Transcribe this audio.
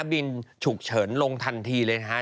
บินฉุกเฉินลงทันทีเลยนะฮะ